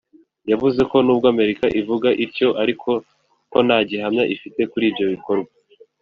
yavuze ko n’ubwo Amerika ivuga ityo ariko ko nta gihamya ifite kuri ibyo bikorwa